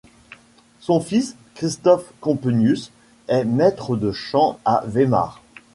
Son fils, Christoph Compenius, est maître de chant à Weimar.